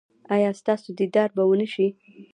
ایا ستاسو دیدار به و نه شي؟